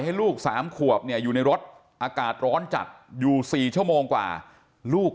ให้ลูก๓ขวบเนี่ยอยู่ในรถอากาศร้อนจัดอยู่๔ชั่วโมงกว่าลูก